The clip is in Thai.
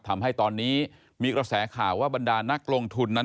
ทำให้ตอนนี้มีกระแสข่าวว่าบรรดานักลงทุนนั้น